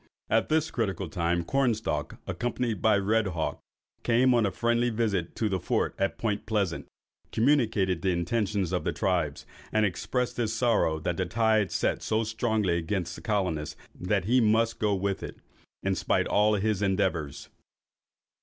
At this critical time, Cornstalk, accompanied by Red Hawk, came on a friendly visit to the Fort at Point Pleasant, communicated the intentions of the tribes, and expressed his sorrow that the tide set so strongly against the colonists, that he must go with it, in spite of all his endeavours.